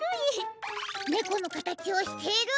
ねこのかたちをしている！